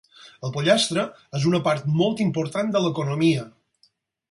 El pollastre és una part molt important de l'economia.